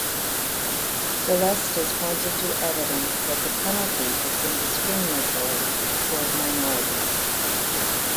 Celeste has pointed to evidence that the penalty has been discriminatory toward minorities.